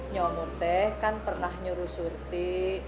nyomu teh kan pernah nyuruh surti